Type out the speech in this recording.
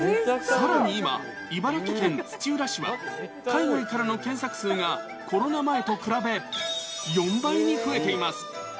さらに今、茨城県土浦市は海外からの検索数がコロナ前と比べ４倍に増えています。